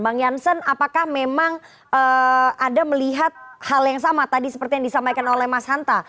bang jansen apakah memang anda melihat hal yang sama tadi seperti yang disampaikan oleh mas hanta